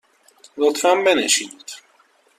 لطفاً بنشینید.